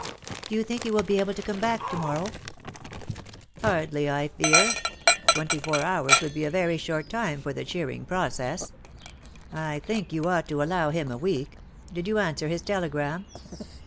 Do you think he will be able to come back to morrow T' " Hardly, I fear. Twenty four hours would be a very short time for the cheering process. I think you ought to allow him a week. Did you answer his telegram